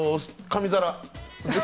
紙皿？